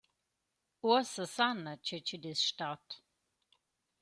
Uossa sana, che chi’d es stat.